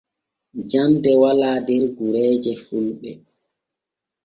Jande wala der gureeje fulɓe.